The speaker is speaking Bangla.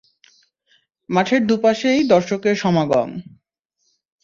মাঠের দুপাশেই দর্শকের সমাগম।